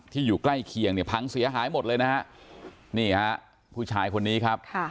อยู่ใกล้เคียงเนี่ยพังเสียหายหมดเลยนะฮะนี่ฮะผู้ชายคนนี้ครับ